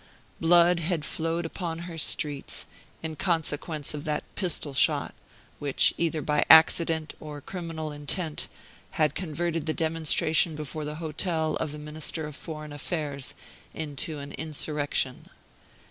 Blood had flowed upon her streets in consequence of that pistol shot, which, either by accident or criminal intent, had converted the demonstration before the hotel of the Minister of Foreign Affairs into an insurrection.